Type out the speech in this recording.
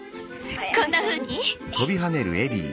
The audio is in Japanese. こんなふうに？